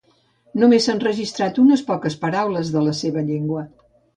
Només s'han registrat unes poques paraules de la seva llengua.